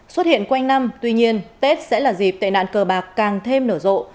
xuất hiện quanh năm tuy nhiên tết sẽ là dịp tệ nạn cờ bạc càng thêm nở rộ